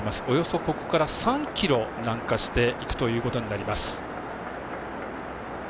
およそここから３ｋｍ南下していくということになります。